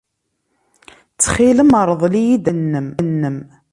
Ttxil-m, rḍel-iyi-d amawal-nnem.